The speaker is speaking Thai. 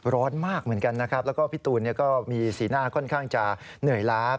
ร้อนมากเหมือนกันนะครับแล้วก็พี่ตูนก็มีสีหน้าค่อนข้างจะเหนื่อยล้า